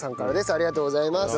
ありがとうございます。